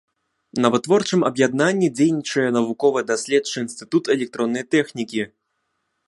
На вытворчым аб'яднанні дзейнічае навукова-даследчы інстытут электроннай тэхнікі.